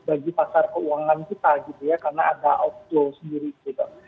bagi pasar keuangan kita gitu ya karena ada outflow sendiri gitu